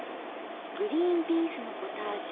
「グリーンピースのポタージュ」。